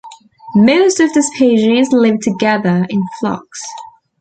Most of the species live together in flocks.